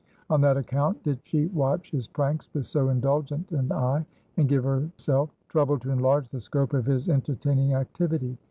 On that account did she watch his pranks with so indulgent an eye, and give herself trouble to enlarge the scope of his entertaining activity.